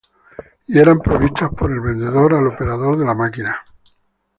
Y eran provistas por el vendedor al operador de la máquina.